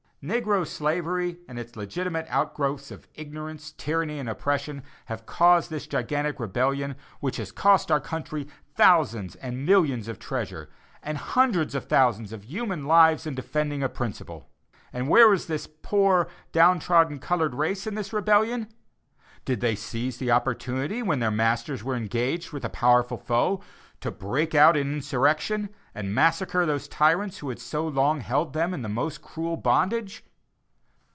Negro slavery and its legitimate outgrowths of ignorance, tyranny and oppression, have caused this gigantic rebellion which has cost our country thousands of millions of treasure, and hundreds of thousands of human lives in defending a principle. And where was this poor, down trodden colored race in this rebellion? Did they seize the "opportunity" when their masters were engaged with a powerful foe, to break out in insurrection, and massacre those tyrants who had so long held them in the most cruel bondage?